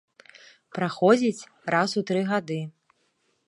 Праходзіць раз у тры гады.